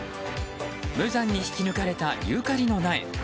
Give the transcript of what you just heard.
無残に引き抜かれたユーカリの苗。